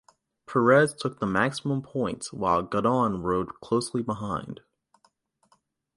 Perez took the maximum points while Godon rode closely behind.